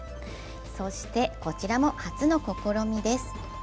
そして、こちらも初の試みです。